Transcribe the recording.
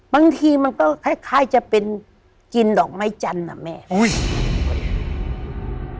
บางทีมันก็คล้ายจะเป็นกินดอกไม้จันทร์อ่ะแม่อุ้ย